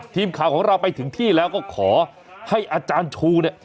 ทีมข่าวของเราไปถึงที่แล้วก็ขอให้อาจารย์ชูเนี่ย